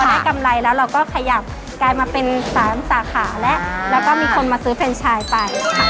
ได้กำไรแล้วเราก็ขยับกลายมาเป็นสามสาขาแล้วแล้วก็มีคนมาซื้อเฟรนชายไปค่ะ